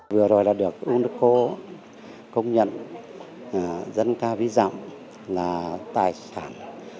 vừa rồi là được unesco công nhận dân ca ví dạng là tài sản